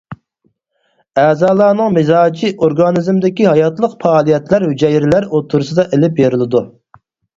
ئەزالارنىڭ مىزاجى ئورگانىزمىدىكى ھاياتلىق پائالىيەتلەر ھۈجەيرىلەر ئوتتۇرىسىدا ئېلىپ بېرىلىدۇ.